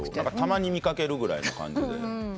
たまに見掛けるぐらいの感じで。